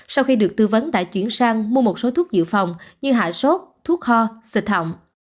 sau khi được tư vấn đã chuyển sang mua một số thuốc dự phòng như hạ sốt thuốc kho xịt hỏng